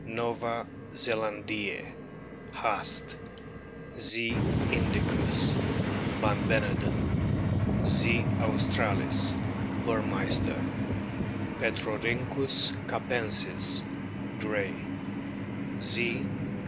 nova zelandiez, Haast ; Z. indie us, van Beneden ; Z. australis, Burmeister ; Petrorkynchus capensis, Gray ; Z.